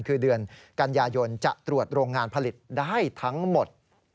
คือเดือนกันยายนจะตรวจโรงงานผลิตได้ทั้งหมด